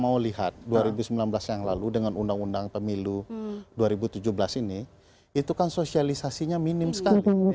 saya mau lihat dua ribu sembilan belas yang lalu dengan undang undang pemilu dua ribu tujuh belas ini itu kan sosialisasinya minim sekali